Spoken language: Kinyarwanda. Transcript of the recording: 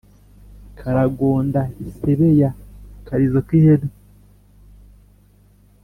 Karagonda isebeya-Akarizo k'ihene.